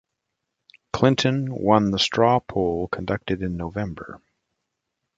Clinton won the straw poll conducted in November.